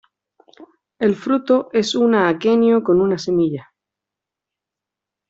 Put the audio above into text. El fruto es una aquenio con una semilla.